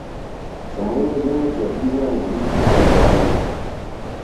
Само една земја ќе ја признае независноста на Каталонија.